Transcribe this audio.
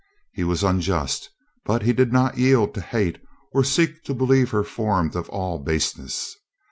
He was unjust, but he did not yield to hate or seek to believe her formed of all baseness.